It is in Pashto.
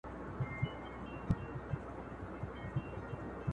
بلکې د امیر په اطاعت کې هم ستاسې توپیر دی